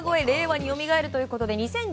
令和によみがえるということです。